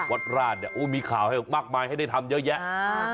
วัดราชเนี่ยโอ้มีข่าวให้มากมายให้ได้ทำเยอะแยะ